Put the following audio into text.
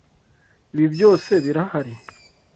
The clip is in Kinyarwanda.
Ibi byose birahari?